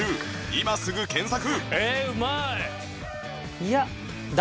今すぐ検索